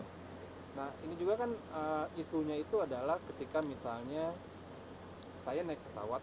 nah ini juga kan isunya itu adalah ketika misalnya saya naik pesawat